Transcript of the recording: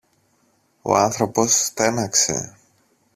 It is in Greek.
Ο άνθρωπος στέναξε.